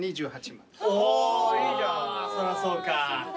そりゃそうか。